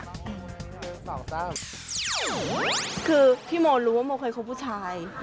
คือพี่โมรู้ว่าโมเคยคบผู้ชาย